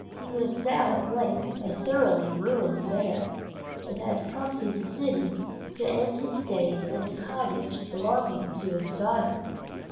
He was now at length a thoroughly ruined man, and had come to the city to end his days in a cottage belonging to his daughter.